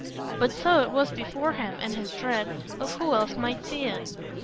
But so it was before him in his dread of who else might see it.